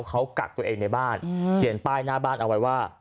เขากักตัวเองในบ้านเขียนป้ายหน้าบ้านเอาไว้ว่า